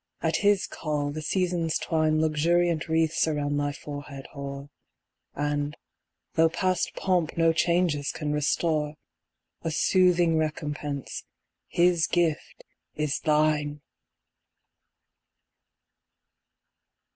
at his call the Seasons twine Luxuriant wreaths around thy forehead hoar; And, though past pomp no changes can restore, A soothing recompence, his gift, is thine!